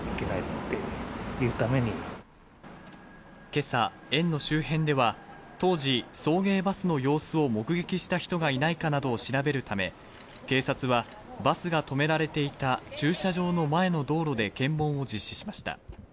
今朝、園の周辺では当時、送迎バスの様子を目撃した人がいないかなどを調べるため、警察はバスが止められていた駐車場の前の道路で検問を実施しました。